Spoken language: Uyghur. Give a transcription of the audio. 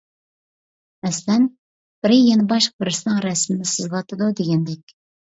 مەسىلەن: بىرى يەنە باشقا بىرسىنىڭ رەسىمىنى سىزىۋاتىدۇ، دېگەندەك.